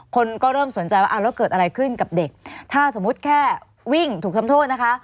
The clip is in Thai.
คนก็เริ่มสนใจว่าเอาแล้วเกิดอะไรขึ้นกับเด็กถ้าสมมุติแค่วิ่งถูกทำโทษนะคะ